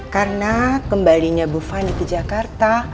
karena kembalinya bu fani ke jakarta